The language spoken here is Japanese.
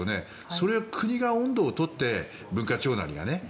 それを国が音頭を取って文化庁なりがね。